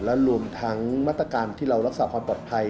และรวมทั้งมาตรการที่เรารักษาความปลอดภัย